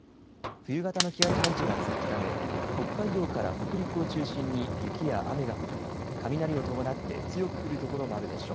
冬型の気圧配置が続くため北海道から北陸を中心に雪や雨が降り雷を伴って強く降る所もあるでしょう。